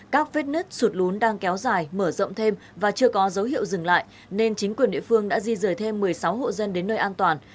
các vết nứt sụt lún đang kéo dài mở rộng thêm và chưa có dấu hiệu dừng lại nên chính quyền địa phương đã di rời thêm một mươi sáu hộ dân đến nơi an toàn